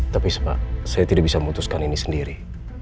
tapi pak saya tidak bisa memutuskan ini sendiri